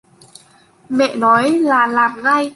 Mẹ nói là làm ngay